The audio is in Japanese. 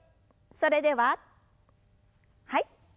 それでははい。